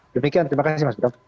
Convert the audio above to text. demikian terima kasih mas bram